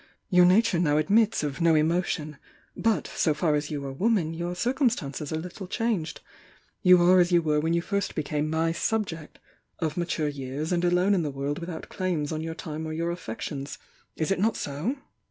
Your nature now admits of no emotion. But, so far as you are woman, your cir cumstances are little changed. You are as you were when you first became my 'subject' — 'of mature years, and alone in the world without claims on your time or your affections.' Is it not so?"